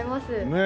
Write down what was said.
ねえ。